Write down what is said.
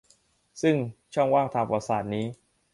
ซึ่งช่องว่างทางประวัติศาสตร์นี้